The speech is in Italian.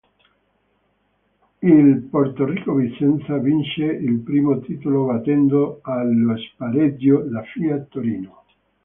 Il Portorico Vicenza vince il primo titolo battendo allo spareggio la Fiat Torino.